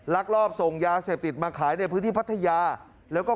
ลักลอบส่งยาเสพติดมาขายในพื้นที่พัทยาแล้วก็